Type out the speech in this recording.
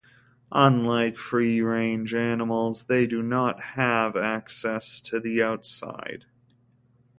Unlike free range animals they do not have access to the outside.